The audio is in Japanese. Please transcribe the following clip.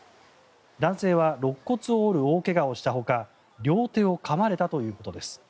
男性はろっ骨を折る大怪我をしたほか両手をかまれたということです。